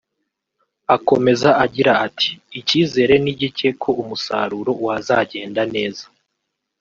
Akomeza agira ati” Icyizere ni gike ko umusaruro wazagenda neza